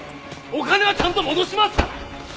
お金はちゃんと戻しますから！